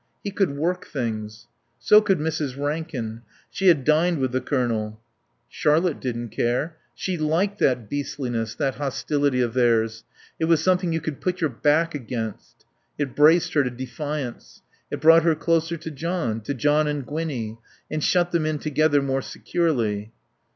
He could work things. So could Mrs. Rankin. She had dined with the Colonel. Charlotte didn't care. She liked that beastliness, that hostility of theirs. It was something you could put your back against; it braced her to defiance. It brought her closer to John, to John and Gwinnie, and shut them in together more securely.